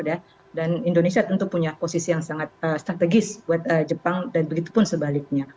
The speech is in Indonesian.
dan indonesia tentu punya posisi yang sangat strategis buat jepang dan begitu pun sebaliknya